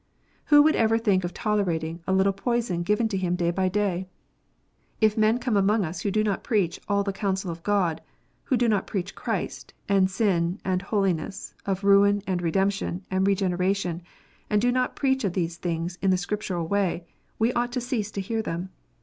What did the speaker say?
Who would ever think of tolerating a little poison given to him day by day ? If men come among us who do not preach " all the counsel of God," who do not preach of Christ, and sin, and holiness, of ruin, and redemption, and regeneration, and do not preach of these things in a Scriptural way, we ought to cease to hear them.